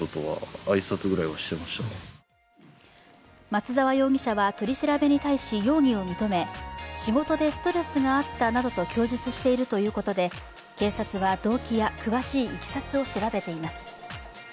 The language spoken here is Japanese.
松沢容疑者は取り調べに対し容疑を認め仕事でストレスがあったなどと供述しているということで警察は、動機や詳しいいきさつを調べています。